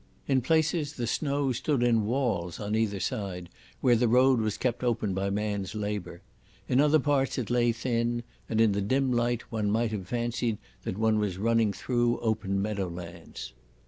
In places the snow stood in walls on either side, where the road was kept open by man's labour. In other parts it lay thin, and in the dim light one might have fancied that one was running through open meadowlands.